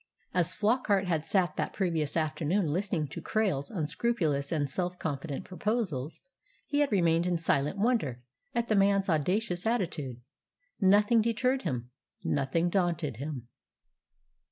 As Flockart had sat that previous afternoon listening to Krail's unscrupulous and self confident proposals, he had remained in silent wonder at the man's audacious attitude. Nothing deterred him, nothing daunted him.